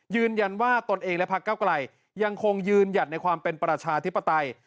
ยืนยันว่าตนเองและพักเก้าไกลยังคงยืนหยัดในความเป็นประชาธิปไตย